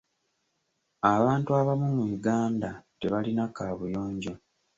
Abantu abamu mu Uganda tebalina kaabuyonjo.